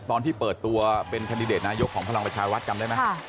ตอนที่เปิดตัวเป็นคันดิเดตนายกของพลังประชารัฐจำได้ไหม